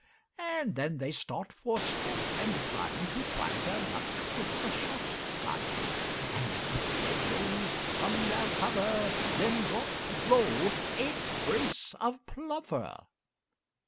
And then they start for sport and fun, To try their luck with the shot gun, And quick they raised from their cover, Then brought low eight brace of plover.